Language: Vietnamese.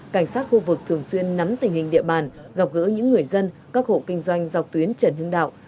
cảnh sát khu vực thường xuyên nắm tình hình địa bàn gặp gỡ những người dân các hộ kinh doanh dọc tuyến trần hưng đạo